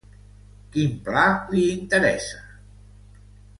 Quin pla li interessa?